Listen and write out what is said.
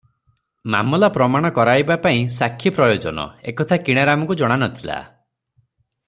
ମାମଲା ପ୍ରମାଣ କରାଇବା ପାଇଁ ସାକ୍ଷୀ ପ୍ରୟୋଜନ, ଏ କଥା କିଣାରାମଙ୍କୁ ଜଣା ନ ଥିଲା ।